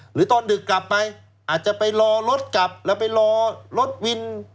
หรือตอนดึกกลับไปอาจจะไปรอรถกลับแล้วไปรอรถวิน